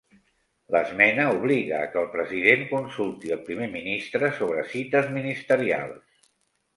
L'esmena obliga a que el president consulti el primer ministre sobre cites ministerials.